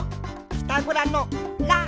ピタゴラの「ラ」。